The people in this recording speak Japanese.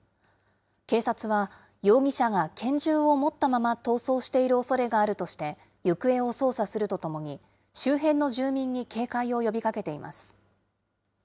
警察は容疑者が拳銃を持ったまま逃走しているおそれがあるとして、行方を捜査するとともに、周辺の住民に警戒を呼びかけています。